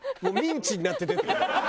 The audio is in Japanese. もうミンチになって出てくる。